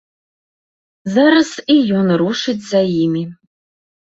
Зараз і ён рушыць за імі.